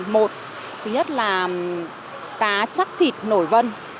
một thứ nhất là cá chắc thịt nổi vân